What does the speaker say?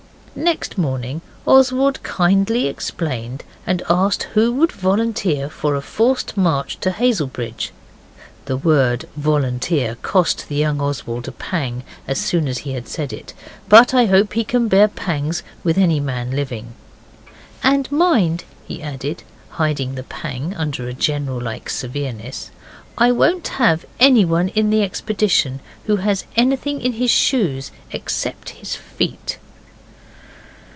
Next morning Oswald kindly explained, and asked who would volunteer for a forced march to Hazelbridge. The word volunteer cost the young Oswald a pang as soon as he had said it, but I hope he can bear pangs with any man living. 'And mind,' he added, hiding the pang under a general like severeness, 'I won't have anyone in the expedition who has anything in his shoes except his feet.